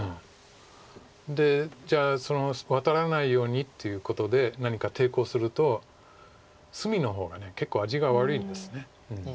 でじゃあワタらないようにっていうことで何か抵抗すると隅の方が結構味が悪いんです。